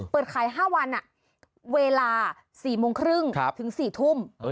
เปิดขาย๕วันเวลา๔โมงครึ่งถึง๔ทุ่ม